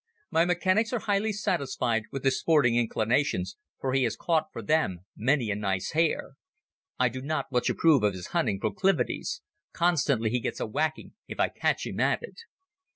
My mechanics are highly satisfied with his sporting inclinations for he has caught for them many a nice hare. I do not much approve of his hunting proclivities. Consequently he gets a whacking if I catch him at it.